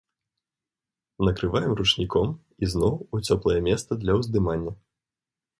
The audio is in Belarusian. Накрываем ручніком і зноў у цёплае месца для ўздымання.